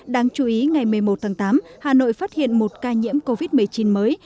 đáng chú ý ngày một mươi một tháng tám hà nội phát hiện một ca nhiễm covid một mươi chín mới